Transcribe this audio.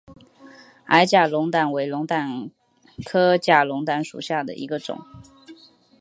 矮假龙胆为龙胆科假龙胆属下的一个种。